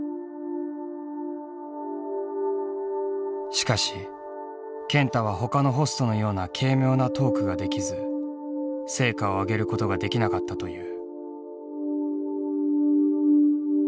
しかし健太はほかのホストのような軽妙なトークができず成果をあげることができなかったという。